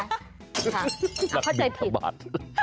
นักบินทะบาท